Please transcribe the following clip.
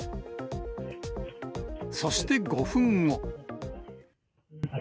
そして５分後。